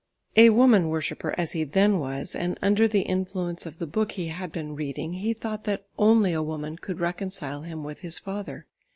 A woman worshipper as he then was, and under the influence of the book he had been reading, he thought that only a woman could reconcile him with his father.